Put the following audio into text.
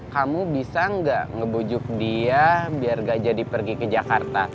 kamu bisa nggak ngebujuk dia biar gak jadi pergi ke jakarta